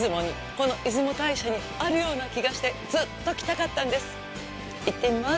そのもとが、この出雲にこの出雲大社にあるような気がしてずっと来たかったんです。